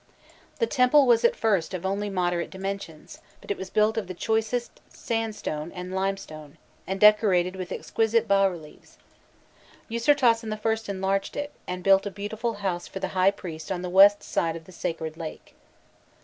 The temple was at first of only moderate dimensions, but it was built of the choicest sandstone and limestone, and decorated with exquisite bas reliefs. Ûsirtasen I. enlarged it, and built a beautiful house for the high priest on the west side of the sacred lake.